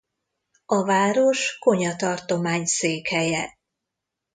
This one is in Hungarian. A város Konya tartomány székhelye.